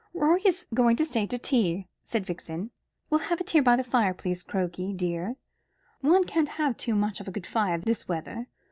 "Rorie is going to stay to tea," said Vixen. "We'll have it here by the fire, please, Crokey dear. One can't have too much of a good fire this weather.